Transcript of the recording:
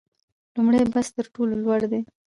لومړی بست تر ټولو لوړ دی